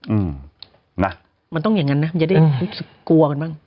อืมนะมันต้องอย่างนั้นนะมันจะได้รู้สึกกลัวกันบ้าง